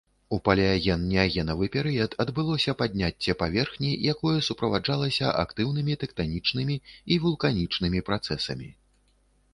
У палеаген-неагенавы перыяд адбылося падняцце паверхні, якое суправаджалася актыўнымі тэктанічнымі і вулканічнымі працэсамі.